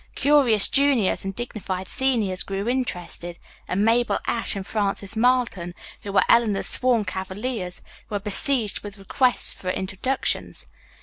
Curious juniors and dignified seniors grew interested, and Mabel Ashe and Frances Marlton, who were Eleanor's sworn cavaliers, were besieged with requests for introductions.